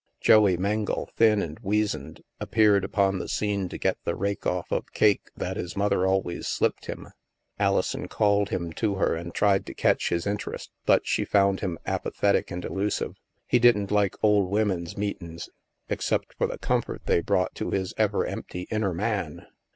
Joey Mengle, thin and weazened, appeared upon the scene to get the rake off of cake that his mother always " slipped " him. Alison called him to her and tried to catch his in terest, but she found him apathetic and elusive. He didn't like " old wimmin's meetin's " except for the comfort they brought to his ever empty inner man.